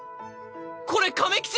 これ亀吉！？